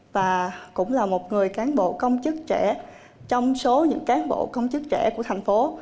và cũng là một người cán bộ công chức trẻ trong số những cán bộ công chức trẻ của thành phố